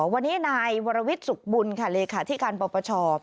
วันนี้นายวรวิทย์สุขบุญค่ะเลขาธิการปปช